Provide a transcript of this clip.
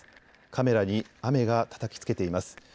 カメラに雨がたたきつけています。